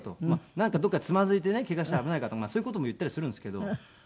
なんかどこかにつまずいてねケガしたら危ないからとかそういう事も言ったりするんですけど。